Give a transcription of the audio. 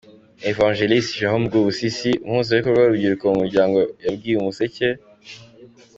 Evangeliste Jerome Rwubusisi, Umuhuzabikorwa w’urubyiruko mu muryango yabwiye umuseke.